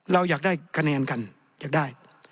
เราอยากได้คะแนนกันอยากได้